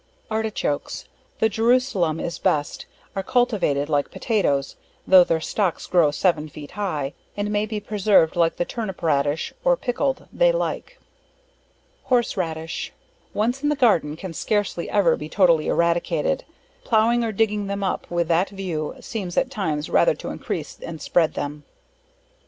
Artichokes The Jerusalem is best, are cultivated like potatoes, (tho' their stocks grow 7 feet high) and may be preserved like the turnip raddish, or pickled they like. Horse Raddish, once in the garden, can scarcely ever be totally eradicated; plowing or digging them up with that view, seems at times rather to increase and spread them.